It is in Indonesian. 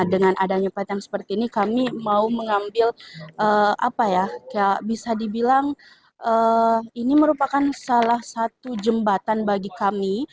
dengan adanya patent seperti ini kami mau mengambil apa ya bisa dibilang ini merupakan salah satu jembatan bagi kami